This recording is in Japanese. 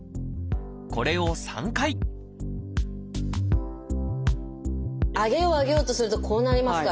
これを３回上げよう上げようとするとこうなりますからね。